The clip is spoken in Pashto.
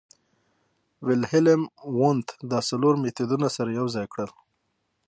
ویلهیلم وونت دا څلور مېتودونه سره یوځای کړل